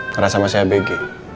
ngerasa masih abg